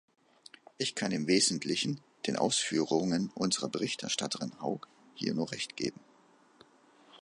Ich kann im Wesentlichen den Ausführungen unserer Berichterstatterin Haug hier nur Recht geben.